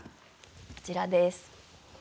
こちらです。